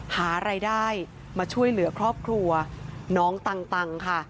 หารายได้มาช่วยเหลือครอบครัวน้องตังค่ะ